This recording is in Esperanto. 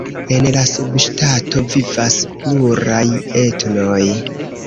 En la subŝtato vivas pluraj etnoj.